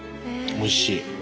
おいしい。